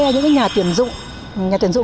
những cái nhà tuyển dụng nhà tuyển dụng